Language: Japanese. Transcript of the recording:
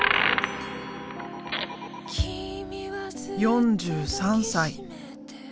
４３歳。